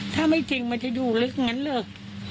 ถ้าไม่จริงมันจะอยู่ลึกอย่างนั้นเลย